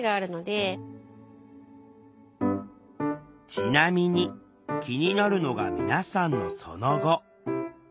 ちなみに気になるのが皆さんのその後。